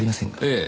ええ。